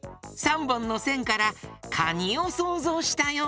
３ぼんのせんからかにをそうぞうしたよ！